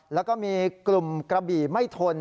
แล้วก็มีกลุ่มกระบี่ไม่ทน